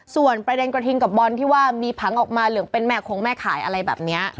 ส่วนประเด็นกระทิงกับบอลที่ว่ามีผังออกมาเหลืองเป็นแม่คงแม่ขายอะไรแบบนี้